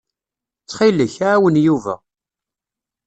Ttxil-k, ɛawen Yuba.